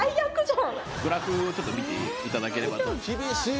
グラフちょっと見ていただければと厳しい！